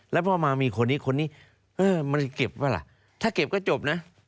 แล้วพอมามีคนนี้คนนี้มันจะเก็บป่ะล่ะถ้าเก็บก็จบนะ